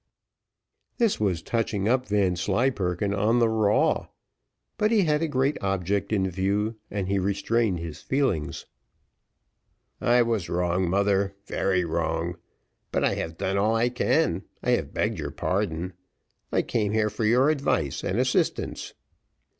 This was touching up Vanslyperken on the raw; but he had a great object in view, and he restrained his feelings. "I was wrong, mother very wrong but I have done all I can, I have begged your pardon. I came here for your advice and assistance."